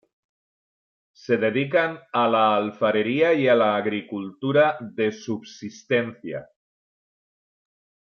Se dedican a la alfarería y a la agricultura de subsistencia.